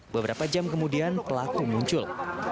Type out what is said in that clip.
beberapa jam kemudian pelaku muncul